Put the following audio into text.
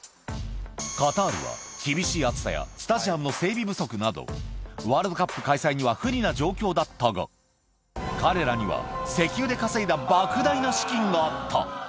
カタールは厳しい暑さやスタジアムの整備不足など、ワールドカップ開催には不利な状況だったが、彼らには石油で稼いだ莫大な資金があった。